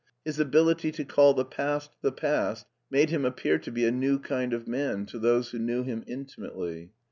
His ability to call the past the past made him appear to be a new kind of man to those who knew him intimately.